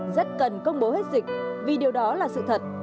rất cần công bố hết dịch vì điều đó là sự thật